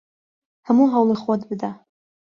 هەموو هەوڵی خۆت بدە!